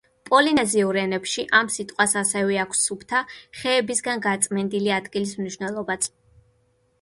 პოლინეზიურ ენებში ამ სიტყვას ასევე აქვს: სუფთა, ხეებისგან გაწმენდილი ადგილის მნიშვნელობაც.